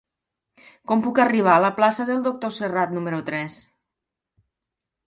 Com puc arribar a la plaça del Doctor Serrat número tres?